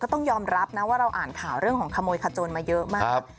ต้องยอมรับนะว่าเราอ่านข่าวเรื่องของขโมยขโจนมาเยอะมาก